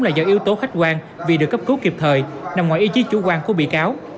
là do yếu tố khách quan vì được cấp cứu kịp thời nằm ngoài ý chí chủ quan của bị cáo